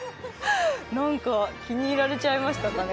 なんか気に入られちゃいましたかね。